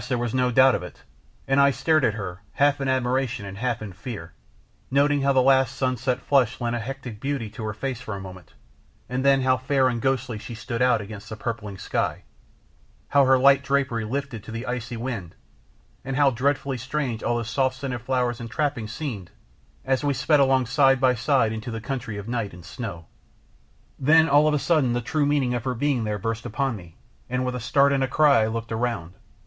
there was no doubt of it, and I stared at her, half in admiration and half in fear; noting how the last sunset flush lent a hectic beauty to her face for a moment, and then how fair and ghostly she stood out against the purpling sky; how her light drapery lifted to the icy wind, and how dreadfully strange all those soft scented flowers and trappings seemed as we sped along side by side into the country of night and snow. Then all of a sudden the true meaning of her being there burst upon me, and with a start and a cry I looked around.